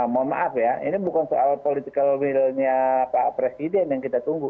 mohon maaf ya ini bukan soal political will nya pak presiden yang kita tunggu